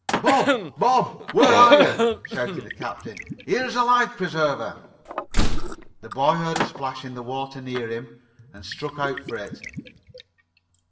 "Bob! Bob! Where are you?" shouted the captain. "Here's a life preserver!" The boy heard a splash in the water near him and struck out for it.